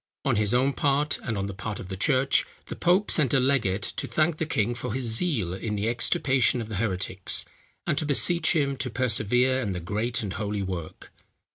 On his own part, and on the part of the church, the pope sent a legate to thank the king for his zeal in the extirpation of the heretics, and to beseech him to persevere in the great and holy work.